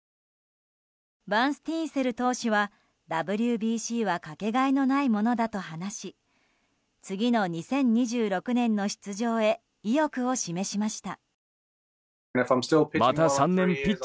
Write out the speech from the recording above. バンスティーンセル投手はＷＢＣはかけがえのないものだと話し次の２０２６年の出場へ意欲を示しました。